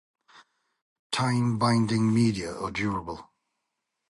Time-binding media are durable.